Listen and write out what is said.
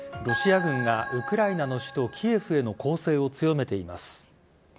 ロシア軍がウクライナの首都・キエフへの攻勢を強めています。